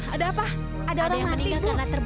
ada apa ada orang mati bu